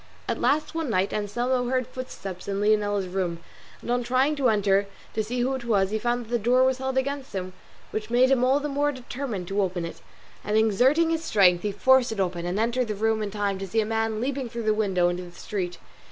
At last one night Anselmo heard footsteps in Leonela's room, and on trying to enter to see who it was, he found that the door was held against him, which made him all the more determined to open it; and exerting his strength he forced it open, and entered the room in time to see a man leaping through the window into the street.